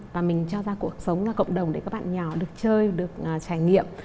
và mình cho ra cuộc sống cộng đồng để các bạn nhỏ được chơi được trải nghiệm